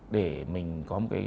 để mình có một cái